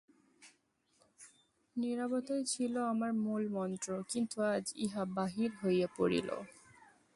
নীরবতাই ছিল আমার মূলমন্ত্র, কিন্তু আজ ইহা বাহির হইয়া পড়িল।